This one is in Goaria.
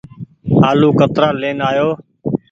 آلو ڪترآ لين آئو ۔